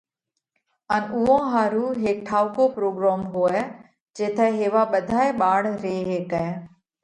ان اُوئون ۿارُو هيڪ ٺائُوڪو پروڳروم هوئہ جيٿئہ هيوا ٻڌائي ٻاۯ ري هيڪئہ۔